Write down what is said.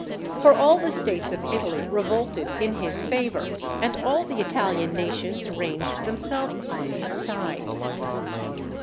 For all the States of Italy revolted in his favour, and all the Italian nations ranged themselves on his side.